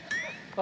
あ！